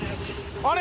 あれ？